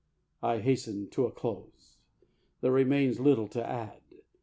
I hasten to a close. There remains little to add.